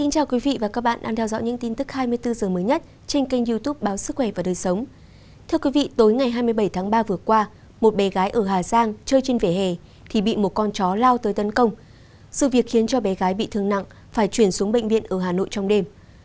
các bạn hãy đăng ký kênh để ủng hộ kênh của chúng mình nhé